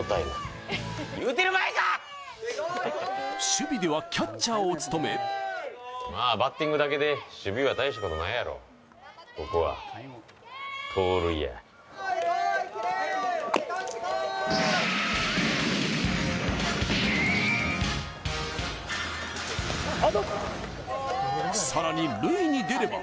守備ではキャッチャーを務め更に塁に出れば